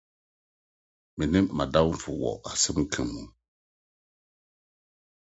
Me ne m’adamfo wɔ asɛnka mu